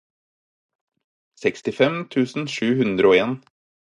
sekstifem tusen sju hundre og en